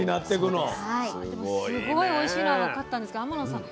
でもすごいおいしいのは分かったんですが天野さん